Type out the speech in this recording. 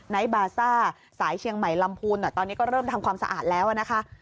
บาซ่าสายเชียงใหม่ลำพูนตอนนี้ก็เริ่มทำความสะอาดแล้วนะคะ